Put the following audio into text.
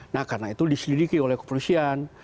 nah karena itu diselidiki oleh kepolisian